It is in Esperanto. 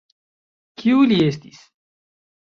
Kiu li estis?